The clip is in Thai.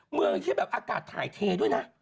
เมืองที่แบบอากาศถ่ายเทด้วยนะ